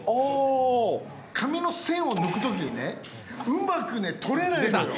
紙の栓を抜くときにね、うまく取れないのよ。